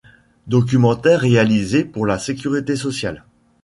Documentaire réalisé pour la Sécurité sociale.